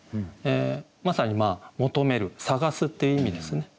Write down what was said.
まさに「求める」「さがす」っていう意味ですね。